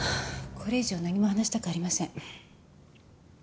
これ以上何も話したくありません。